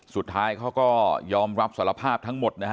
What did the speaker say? สุดท้ายเขาก็ยอมรับสารภาพทั้งหมดนะฮะ